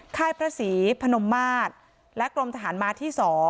ไข้พระศรีพนมมาสกรมทหารมาที่๒